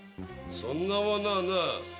そんなものはな